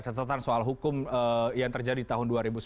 catatan soal hukum yang terjadi tahun dua ribu sembilan belas